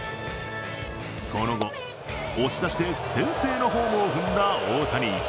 その後、押し出しで先制のホームを踏んだ大谷。